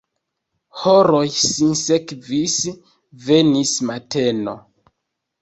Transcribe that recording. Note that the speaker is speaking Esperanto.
Horoj sinsekvis, venis mateno.